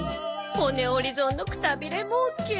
骨折り損のくたびれもうけ。